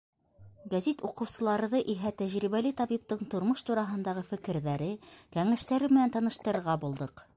Гәзит уҡыусыларҙы иһә тәжрибәле табиптың тормош тураһындағы фекерҙәре, кәңәштәре менән таныштырырға булдыҡ.